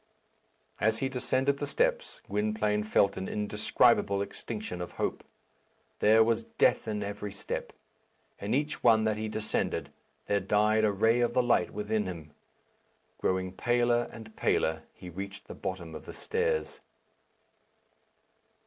As he descended the steps, Gwynplaine felt an indescribable extinction of hope. There was death in each step. In each one that he descended there died a ray of the light within him. Growing paler and paler, he reached the bottom of the stairs.